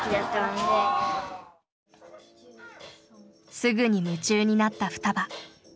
すぐに夢中になったふたば。